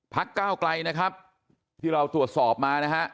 ก้าวไกลนะครับที่เราตรวจสอบมานะฮะ